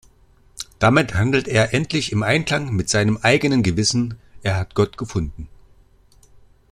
Damit handelt er endlich im Einklang mit seinem eigenen Gewissen, er hat Gott gefunden.